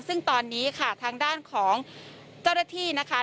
ซึ่งตอนนี้ค่ะทางด้านของเจ้าหน้าที่นะคะ